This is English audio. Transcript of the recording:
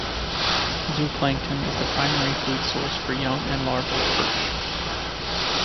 Zooplankton is the primary food source for young and larval perch.